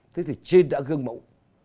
thế thì trên đã gương mẫu